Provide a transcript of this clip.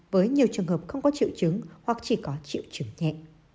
với nhiều trường hợp không có triệu chứng hoặc chỉ có triệu chứng nhẹ